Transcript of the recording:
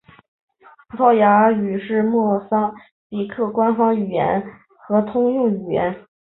葡萄牙语是莫桑比克的官方语言和通用语言。